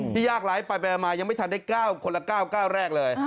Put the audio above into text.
ที่ยากหลายไปมายังไม่ทันได้๙คนละ๙เก้าแรกเลย